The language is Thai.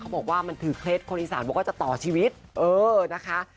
บอกว่ามันถือเคล็ดคนอีสานบอกว่าจะต่อชีวิตเออนะคะ